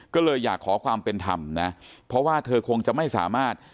ก็เลยอยากขอความเป็นธรรมนะเพราะว่าเธอคงจะไม่สามารถ